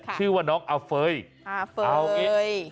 ชื่อว่าน้องอาเฟยอาเฟย